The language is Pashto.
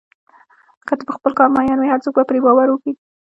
که ته په خپل کار مین وې، هر څوک به پرې باور وکړي.